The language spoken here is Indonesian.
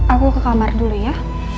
aku ke kamar dulu ya